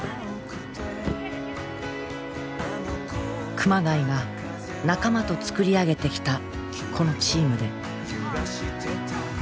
熊谷が仲間と作り上げてきたこのチームで。